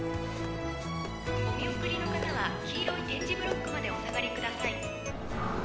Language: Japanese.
「お見送りの方は黄色い点字ブロックまでお下がり下さい」。